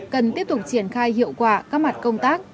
cần tiếp tục triển khai hiệu quả các mặt công tác